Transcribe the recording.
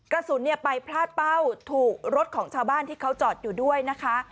กระสุนไปพลาดเป้าถูกรถของชาวบ้านที่เขาจอดอยู่ด้วยนะคะ